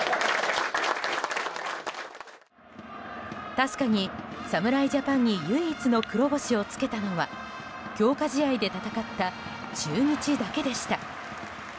確かに、侍ジャパンに唯一の黒星をつけたのは強化試合で戦った中日だけでした。